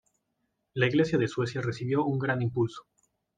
La Iglesia de Suecia recibió un gran impulso.